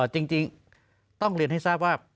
จริงต้องเรียนให้ทราบว่า